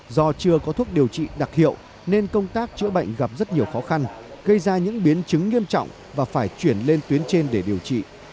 do chưa có thuốc điều trị đặc hiệu nên công tác chữa bệnh gặp rất nhiều khó khăn gây ra những biến chứng nghiêm trọng và phải chuyển lên tuyến trên để điều trị